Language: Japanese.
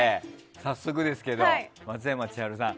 早速ですけど松山千春さん